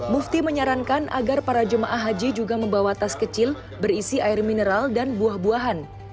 mufti menyarankan agar para jemaah haji juga membawa tas kecil berisi air mineral dan buah buahan